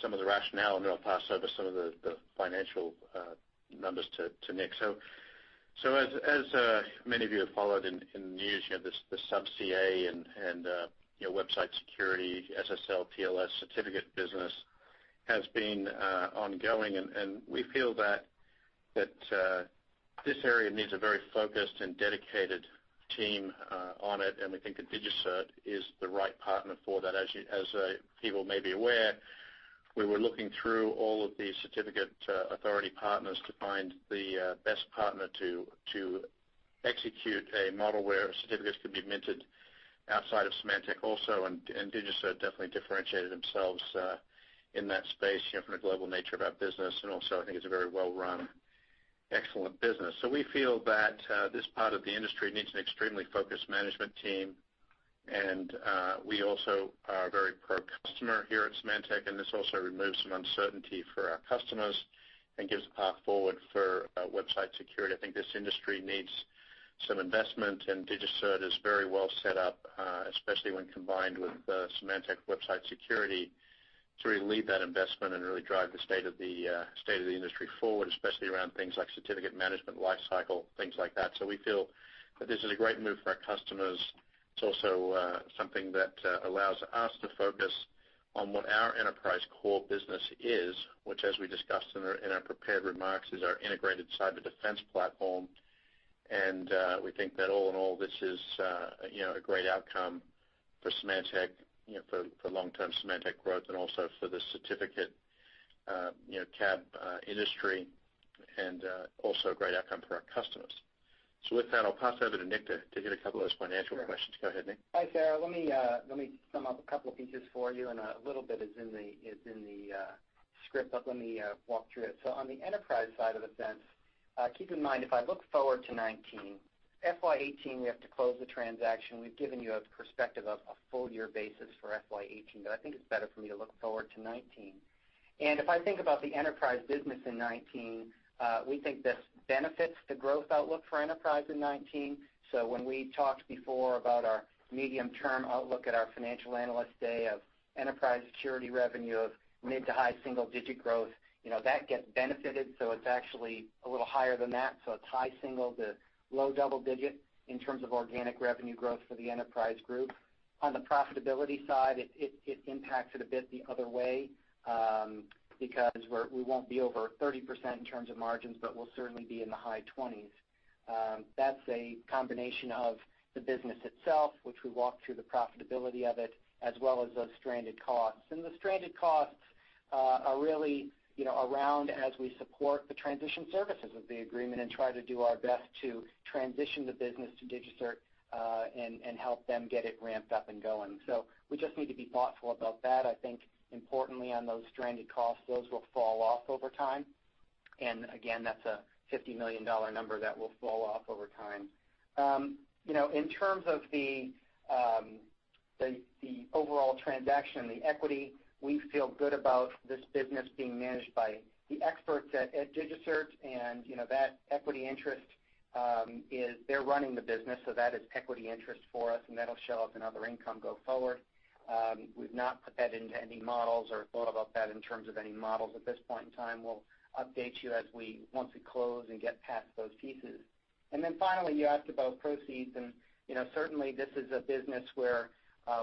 some of the rationale, then I'll pass over some of the financial numbers to Nick. As many of you have followed in the news, the Sub CA and website security, SSL, TLS certificate business has been ongoing, we feel that this area needs a very focused and dedicated team on it, we think that DigiCert is the right partner for that. As people may be aware, we were looking through all of the certificate authority partners to find the best partner to execute a model where certificates could be minted outside of Symantec also, DigiCert definitely differentiated themselves in that space from the global nature of our business. Also, I think it's a very well-run, excellent business. We feel that this part of the industry needs an extremely focused management team, we also are very pro-customer here at Symantec, this also removes some uncertainty for our customers and gives a path forward for website security. I think this industry needs some investment, DigiCert is very well set up, especially when combined with Symantec website security, to really lead that investment and really drive the state of the industry forward, especially around things like certificate management lifecycle, things like that. We feel that this is a great move for our customers. It's also something that allows us to focus on what our enterprise core business is, which, as we discussed in our prepared remarks, is our Integrated Cyber Defense Platform. We think that all in all, this is a great outcome for Symantec, for long-term Symantec growth, and also for the certificate CA/B industry, and also a great outcome for our customers. With that, I'll pass it over to Nick to hit a couple of those financial questions. Go ahead, Nick. Hi, Sarah. Let me sum up a couple of pieces for you, a little bit is in the script, but let me walk through it. On the enterprise side of the fence, keep in mind, if I look forward to 2019, FY 2018, we have to close the transaction. We've given you a perspective of a full-year basis for FY 2018, but I think it's better for me to look forward to 2019. If I think about the enterprise business in 2019, we think this benefits the growth outlook for enterprise in 2019. When we talked before about our medium-term outlook at our Financial Analyst Day of enterprise security revenue of mid to high single-digit growth, that gets benefited. It's actually a little higher than that. It's high single to low double digit in terms of organic revenue growth for the enterprise group. On the profitability side, it impacts it a bit the other way, because we won't be over 30% in terms of margins, but we'll certainly be in the high 20s. That's a combination of the business itself, which we walked through the profitability of it, as well as those stranded costs. The stranded costs are really around as we support the transition services of the agreement and try to do our best to transition the business to DigiCert, and help them get it ramped up and going. We just need to be thoughtful about that. I think importantly on those stranded costs, those will fall off over time. Again, that's a $50 million number that will fall off over time. In terms of the overall transaction and the equity, we feel good about this business being managed by the experts at DigiCert, and that equity interest is they're running the business, so that is equity interest for us, and that'll show up in other income go forward. We've not put that into any models or thought about that in terms of any models at this point in time. We'll update you once we close and get past those pieces. Finally, you asked about proceeds, and certainly, this is a business where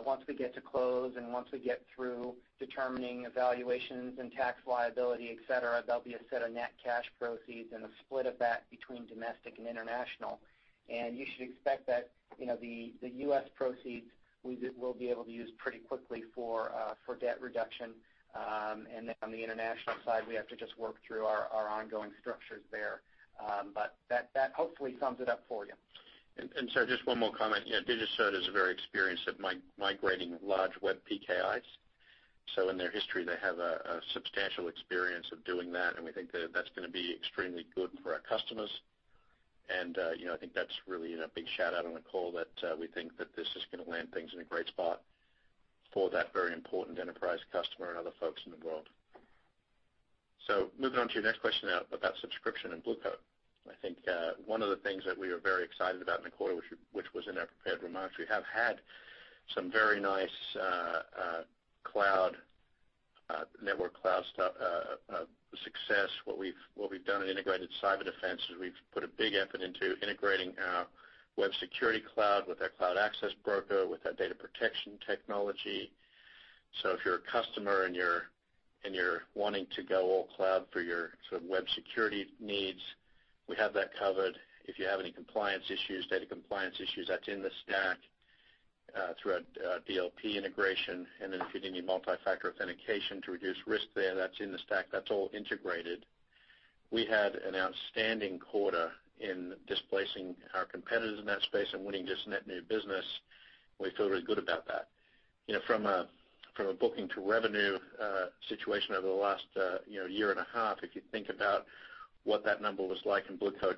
once we get to close and once we get through determining evaluations and tax liability, et cetera, there'll be a set of net cash proceeds and a split of that between domestic and international. You should expect that the U.S. proceeds, we'll be able to use pretty quickly for debt reduction. On the international side, we have to just work through our ongoing structures there. That hopefully sums it up for you. Sarah, just one more comment. DigiCert is very experienced at migrating large web PKIs. In their history, they have a substantial experience of doing that, and we think that's going to be extremely good for our customers. I think that's really a big shout-out on the call that we think that this is going to land things in a great spot for that very important enterprise customer and other folks in the world. Moving on to your next question about subscription and Blue Coat. I think one of the things that we are very excited about in the quarter, which was in our prepared remarks, we have had some very nice network cloud success. What we've done in Integrated Cyber Defense is we've put a big effort into integrating our web security cloud with our cloud access broker, with our data protection technology. If you're a customer, you're wanting to go all cloud for your web security needs, we have that covered. If you have any data compliance issues, that's in the stack through our DLP integration. If you need multi-factor authentication to reduce risk there, that's in the stack. That's all integrated. We had an outstanding quarter in displacing our competitors in that space and winning just net new business. We feel really good about that. From a booking to revenue situation over the last year and a half, if you think about what that number was like in Blue Coat,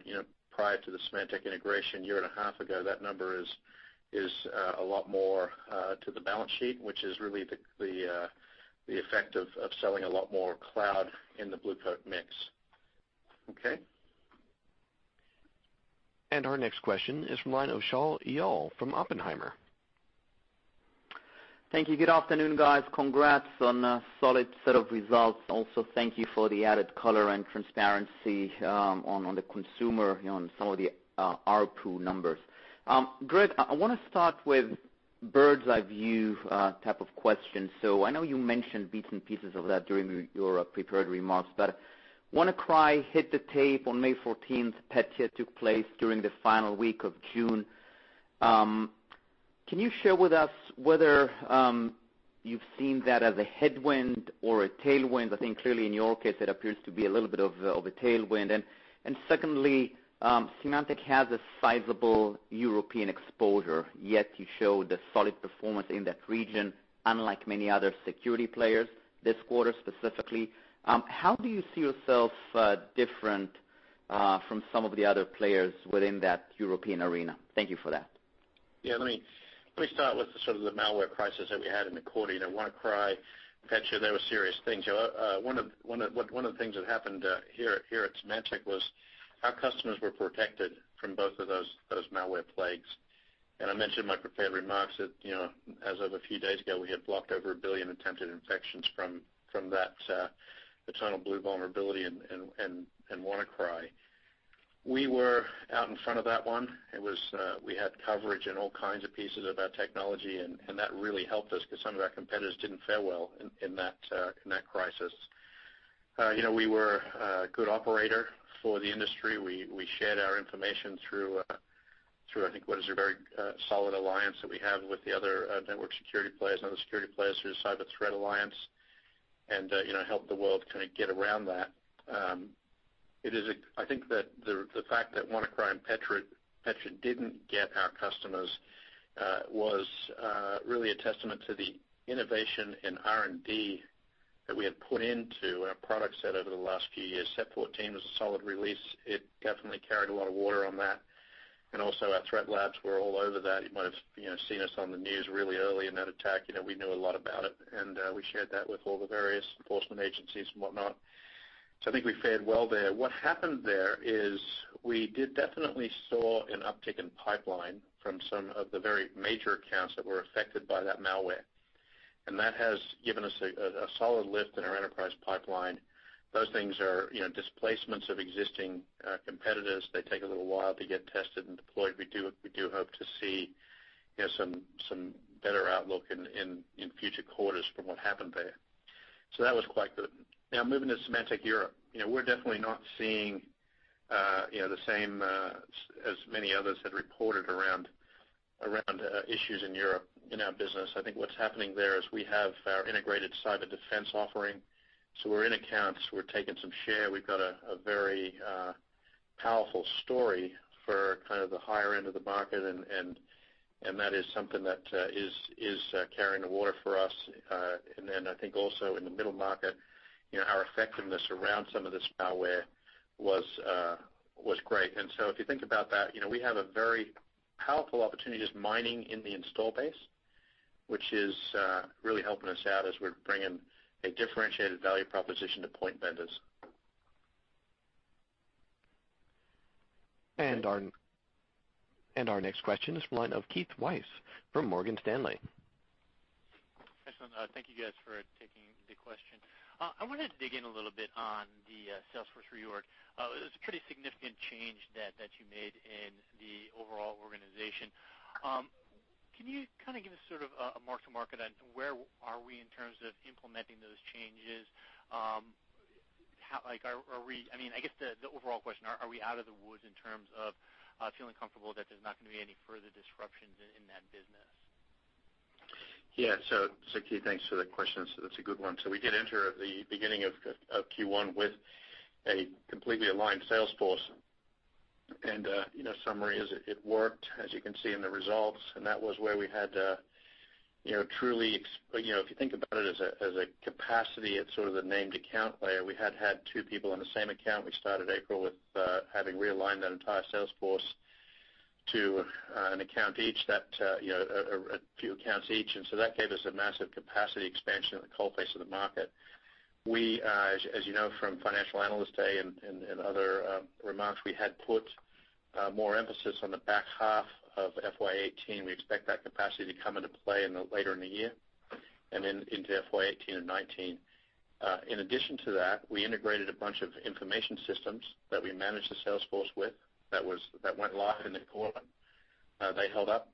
prior to the Symantec integration a year and a half ago, that number is a lot more to the balance sheet, which is really the effect of selling a lot more cloud in the Blue Coat mix. Okay. Our next question is from line of Shaul Eyal from Oppenheimer. Thank you. Good afternoon, guys. Congrats on a solid set of results. Also, thank you for the added color and transparency on the consumer, on some of the ARPU numbers. Greg, I want to start with a bird's-eye view type of question. I know you mentioned bits and pieces of that during your prepared remarks. WannaCry hit the tape on May 14th. Petya took place during the final week of June. Can you share with us whether you've seen that as a headwind or a tailwind. I think clearly in your case, it appears to be a little bit of a tailwind. Secondly, Symantec has a sizable European exposure, yet you showed a solid performance in that region, unlike many other security players this quarter specifically. How do you see yourself different from some of the other players within that European arena? Thank you for that. Yeah. Let me start with the malware crisis that we had in the quarter. WannaCry, NotPetya, they were serious things. One of the things that happened here at Symantec was our customers were protected from both of those malware plagues. I mentioned in my prepared remarks that, as of a few days ago, we had blocked over 1 billion attempted infections from that EternalBlue vulnerability, WannaCry. We were out in front of that one. We had coverage in all kinds of pieces of our technology, that really helped us, because some of our competitors didn't fare well in that crisis. We were a good operator for the industry. We shared our information through, I think, what is a very solid alliance that we have with the other network security players and other security players through the Cyber Threat Alliance, helped the world get around that. I think that the fact that WannaCry and NotPetya didn't get our customers was really a testament to the innovation in R&D that we had put into our product set over the last few years. SEP 14 was a solid release. It definitely carried a lot of water on that. Our threat labs were all over that. You might have seen us on the news really early in that attack. We knew a lot about it, and we shared that with all the various enforcement agencies and whatnot. I think we fared well there. What happened there is we did definitely saw an uptick in pipeline from some of the very major accounts that were affected by that malware. That has given us a solid lift in our enterprise pipeline. Those things are displacements of existing competitors. They take a little while to get tested and deployed. We do hope to see some better outlook in future quarters from what happened there. That was quite good. Now, moving to Symantec Europe. We're definitely not seeing the same as many others had reported around issues in Europe in our business. I think what's happening there is we have our Integrated Cyber Defense offering. We're in accounts, we're taking some share. We've got a very powerful story for the higher end of the market, and that is something that is carrying the water for us. I think also in the middle market, our effectiveness around some of this malware was great. If you think about that, we have a very powerful opportunity just mining in the install base, which is really helping us out as we're bringing a differentiated value proposition to point vendors. Our next question is from the line of Keith Weiss from Morgan Stanley. Excellent. Thank you guys for taking the question. I wanted to dig in a little bit on the sales force reorg. It was a pretty significant change that you made in the overall organization. Can you give us a mark-to-market on where are we in terms of implementing those changes? I guess the overall question, are we out of the woods in terms of feeling comfortable that there's not going to be any further disruptions in that business? Yeah. Keith, thanks for the question. That's a good one. We did enter the beginning of Q1 with a completely aligned sales force. Summary is it worked, as you can see in the results, and that was where we had to truly, if you think about it as a capacity at sort of the named account layer, we had had two people on the same account. We started April with having realigned that entire sales force to a few accounts each. That gave us a massive capacity expansion in the coal face of the market. We, as you know from Financial Analyst Day and other remarks, we had put more emphasis on the back half of FY 2018. We expect that capacity to come into play later in the year, and then into FY 2018 and 2019. In addition to that, we integrated a bunch of information systems that we managed the sales force with that went live in the quarter. They held up.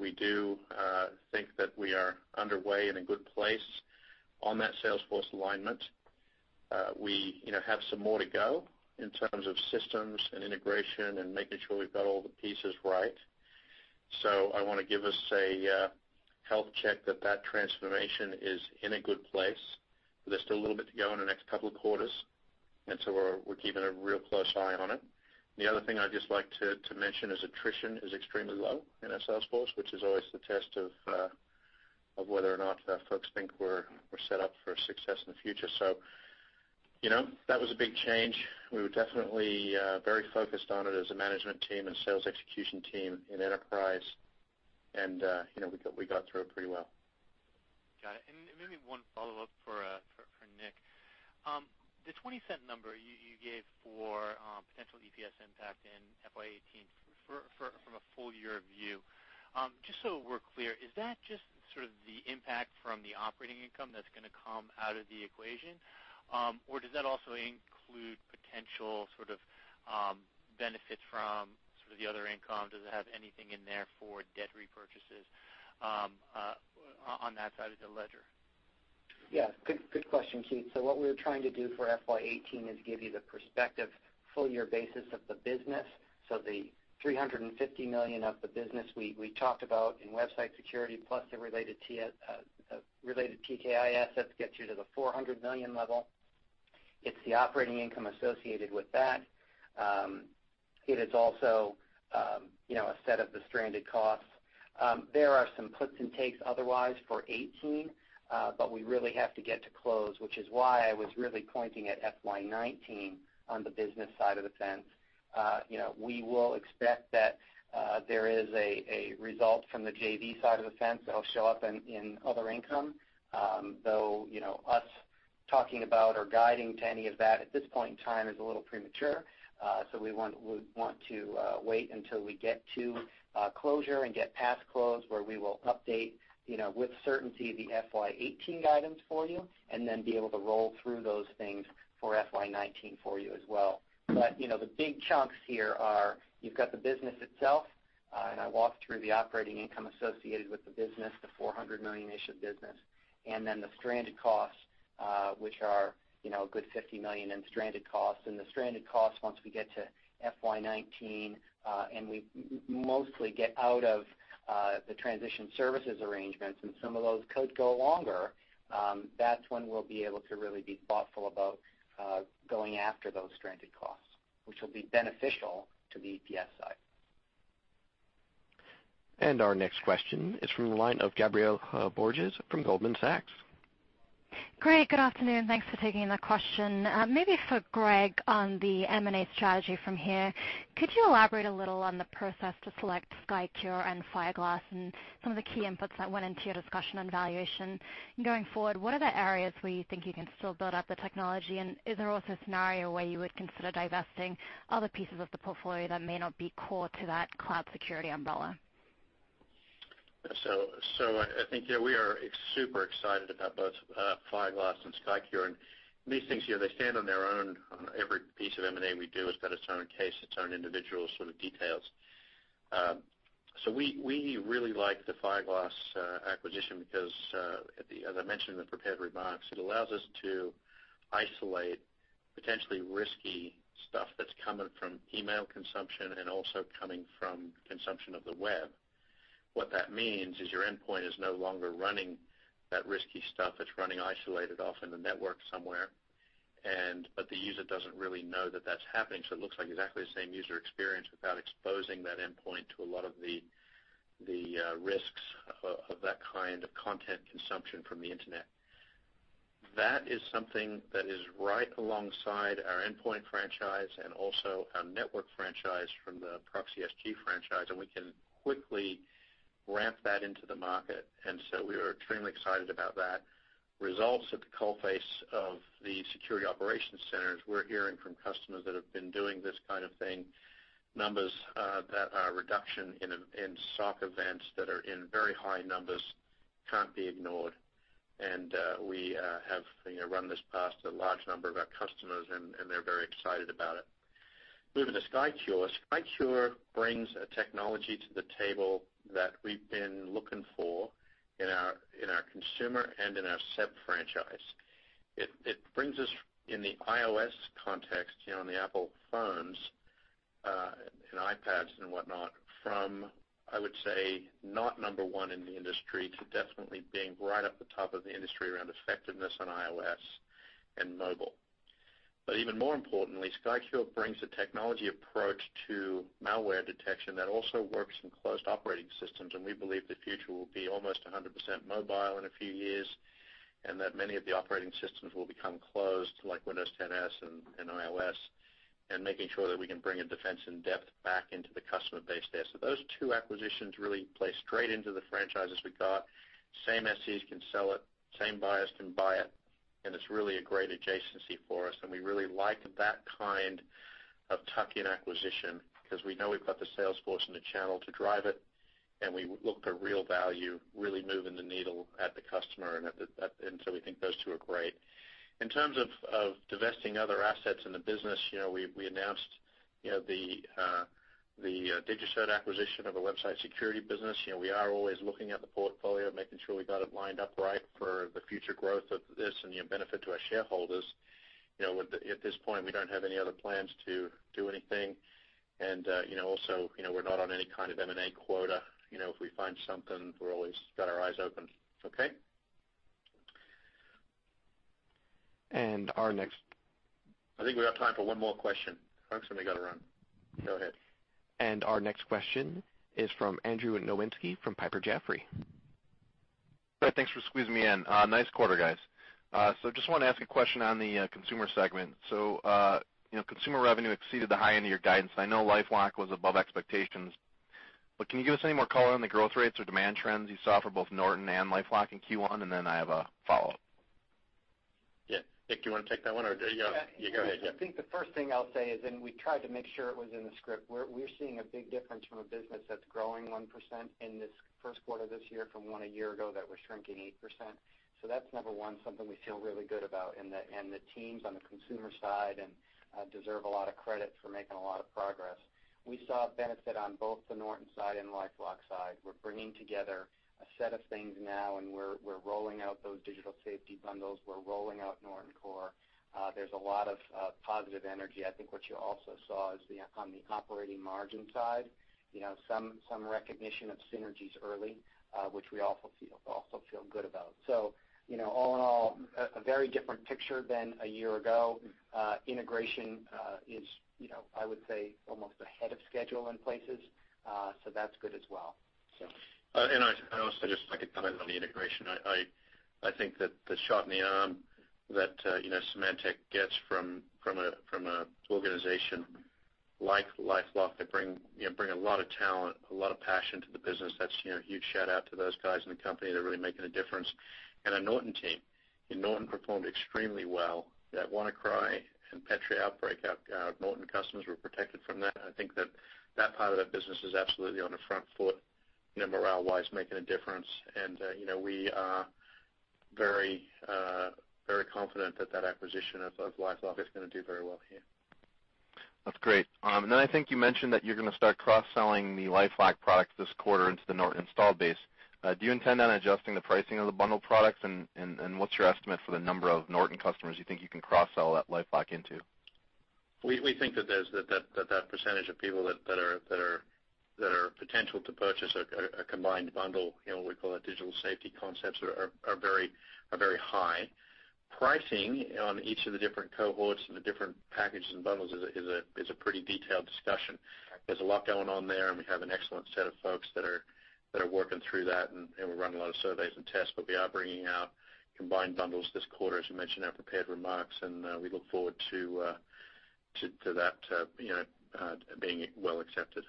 We do think that we are underway in a good place on that sales force alignment. We have some more to go in terms of systems and integration and making sure we've got all the pieces right. I want to give us a health check that that transformation is in a good place. There's still a little bit to go in the next couple of quarters, and we're keeping a real close eye on it. The other thing I'd just like to mention is attrition is extremely low in our sales force, which is always the test of whether or not folks think we're set up for success in the future. That was a big change. We were definitely very focused on it as a management team and sales execution team in enterprise, and we got through it pretty well. Got it. Maybe one follow-up for Nick. The $0.20 number you gave for potential EPS impact in FY 2018 from a full-year view. Just so we're clear, is that just the impact from the operating income that's going to come out of the equation? Or does that also include potential benefits from the other income? Does it have anything in there for debt repurchases on that side of the ledger? Yeah. Good question, Keith. What we're trying to do for FY 2018 is give you the perspective full-year basis of the business. The $350 million of the business we talked about in Website Security plus the related PKI assets gets you to the $400 million level. It's the operating income associated with that. It is also a set of the stranded costs. There are some puts and takes otherwise for 2018, we really have to get to close, which is why I was really pointing at FY 2019 on the business side of the fence. We will expect that there is a result from the JV side of the fence that'll show up in other income. Us talking about or guiding to any of that at this point in time is a little premature. We want to wait until we get to closure and get past close where we will update, with certainty, the FY 2018 guidance for you, be able to roll through those things for FY 2019 for you as well. The big chunks here are, you've got the business itself, I walked through the operating income associated with the business, the $400 million-ish of business, then the stranded costs, which are a good $50 million in stranded costs. The stranded costs, once we get to FY 2019, we mostly get out of the transition services arrangements and some of those could go longer, that's when we'll be able to really be thoughtful about going after those stranded costs, which will be beneficial to the EPS side. Our next question is from the line of Gabriela Borges from Goldman Sachs. Greg, good afternoon. Thanks for taking the question. Maybe for Greg on the M&A strategy from here. Could you elaborate a little on the process to select Skycure and Fireglass and some of the key inputs that went into your discussion on valuation? Going forward, what are the areas where you think you can still build up the technology, and is there also a scenario where you would consider divesting other pieces of the portfolio that may not be core to that cloud security umbrella? I think, yeah, we are super excited about both Fireglass and Skycure. These things, they stand on their own. Every piece of M&A we do has got its own case, its own individual sort of details. We really like the Fireglass acquisition because, as I mentioned in the prepared remarks, it allows us to isolate potentially risky stuff that's coming from email consumption and also coming from consumption of the web. What that means is your endpoint is no longer running that risky stuff. It's running isolated off in the network somewhere. The user doesn't really know that that's happening, so it looks like exactly the same user experience without exposing that endpoint to a lot of the risks of that kind of content consumption from the internet. That is something that is right alongside our endpoint franchise and also our network franchise from the ProxySG franchise. We can quickly ramp that into the market. We are extremely excited about that. Results at the coalface of the security operations centers, we're hearing from customers that have been doing this kind of thing, numbers that are a reduction in SOC events that are in very high numbers can't be ignored. We have run this past a large number of our customers, and they're very excited about it. Moving to Skycure. Skycure brings a technology to the table that we've been looking for in our consumer and in our SEP franchise. It brings us in the iOS context, on the Apple phones, and iPads and whatnot, from, I would say, not number 1 in the industry to definitely being right at the top of the industry around effectiveness on iOS and mobile. Even more importantly, Skycure brings a technology approach to malware detection that also works in closed operating systems. We believe the future will be almost 100% mobile in a few years, and many of the operating systems will become closed, like Windows 10 S and iOS, and making sure that we can bring a defense in depth back into the customer base there. Those two acquisitions really play straight into the franchises we've got. Same SEs can sell it, same buyers can buy it, and it's really a great adjacency for us, and we really like that kind of tuck-in acquisition because we know we've got the sales force and the channel to drive it, and we look for real value, really moving the needle at the customer. So we think those two are great. In terms of divesting other assets in the business, we announced the DigiCert acquisition of a website security business. We are always looking at the portfolio, making sure we got it lined up right for the future growth of this and the benefit to our shareholders. At this point, we don't have any other plans to do anything. Also, we're not on any kind of M&A quota. If we find something, we've always got our eyes open. Okay? And our next- I think we have time for one more question. Frank, somebody got to run. Go ahead. Our next question is from Andrew Nowinski from Piper Jaffray. Good. Thanks for squeezing me in. Nice quarter, guys. Just want to ask a question on the consumer segment. Consumer revenue exceeded the high end of your guidance. I know LifeLock was above expectations, but can you give us any more color on the growth rates or demand trends you saw for both Norton and LifeLock in Q1? I have a follow-up. Yeah. Nick, do you want to take that one, or do you got it? You go ahead, yeah. I think the first thing I'll say is, we tried to make sure it was in the script, we're seeing a big difference from a business that's growing 1% in this first quarter this year from one a year ago that was shrinking 8%. That's number one, something we feel really good about, and the teams on the consumer side deserve a lot of credit for making a lot of progress. We saw a benefit on both the Norton side and LifeLock side. We're bringing together a set of things now, we're rolling out those digital safety bundles. We're rolling out Norton Core. There's a lot of positive energy. I think what you also saw is on the operating margin side, some recognition of synergies early, which we also feel good about. All in all, a very different picture than a year ago. Integration is, I would say, almost ahead of schedule in places. That's good as well. I also, just if I could comment on the integration. I think that the shot in the arm that Symantec gets from an organization like LifeLock, they bring a lot of talent, a lot of passion to the business. That's a huge shout-out to those guys in the company. They're really making a difference. The Norton team. Norton performed extremely well. That WannaCry and Petya outbreak, our Norton customers were protected from that, and I think that that part of that business is absolutely on the front foot, morale-wise, making a difference. We are very confident that that acquisition of LifeLock is going to do very well here. That's great. I think you mentioned that you're going to start cross-selling the LifeLock product this quarter into the Norton install base. Do you intend on adjusting the pricing of the bundled products, and what's your estimate for the number of Norton customers you think you can cross-sell that LifeLock into? We think that that percentage of people that are potential to purchase a combined bundle, we call it digital safety concepts, are very high. Pricing on each of the different cohorts and the different packages and bundles is a pretty detailed discussion. There's a lot going on there, and we have an excellent set of folks that are working through that, and we're running a lot of surveys and tests. We are bringing out combined bundles this quarter, as we mentioned in our prepared remarks, and we look forward to that being well accepted.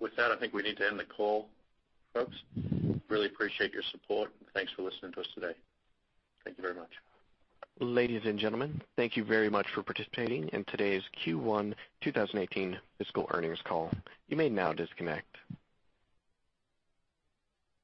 With that, I think we need to end the call, folks. Really appreciate your support, and thanks for listening to us today. Thank you very much. Ladies and gentlemen, thank you very much for participating in today's Q1 2018 fiscal earnings call. You may now disconnect.